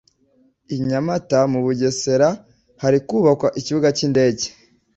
I nyamata mu bugesera hari kubakwa ikibuga k’indege